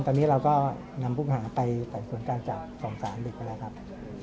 ตอนนี้เราก็นำผู้จับกลางไปส่วนการจับส่องสารเด็กไปแล้วครับ